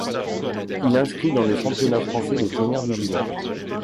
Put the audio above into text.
Il inscrit dans le championnat français de première division.